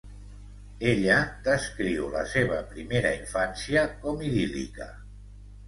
Ella descriu la seva primera infància com idíl·lica.